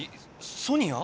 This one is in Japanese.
ソニア？